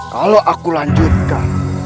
kalau aku lanjutkan